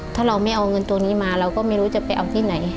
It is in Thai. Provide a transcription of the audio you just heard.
ถ้าเราไม่เอาเงินตัวนี้มาเราก็ไม่รู้จะไปเอาที่ไหน